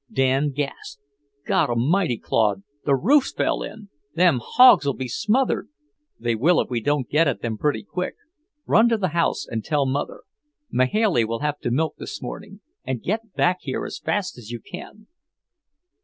Dan gasped. "God a' mighty, Claude, the roof's fell in! Them hogs'll be smothered." "They will if we don't get at them pretty quick. Run to the house and tell Mother. Mahailey will have to milk this morning, and get back here as fast as you can."